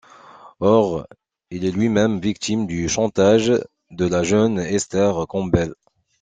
Or, il est lui-même victime du chantage de la jeune Hester Campbell.